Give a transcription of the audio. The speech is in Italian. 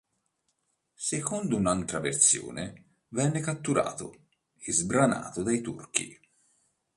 Secondo un'altra versione, venne catturato e sbranato dai turchi.